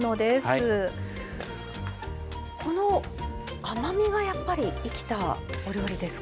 この甘みがやっぱり生きたお料理ですか白菜。